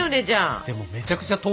でもめちゃくちゃ遠くない？